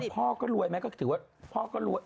แต่พ่อก็รวยแม้ก็คิดว่าพ่อก็รวย